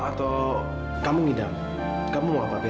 soalnya kamila mau ketemu sama tante